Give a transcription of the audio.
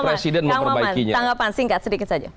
presiden memperbaikinya kang om man tanggapan singkat sedikit saja